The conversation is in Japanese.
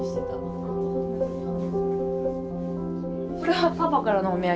これはパパからのお土産。